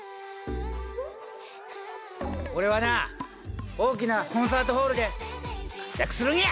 俺はな大きなコンサートホールで活躍するんや！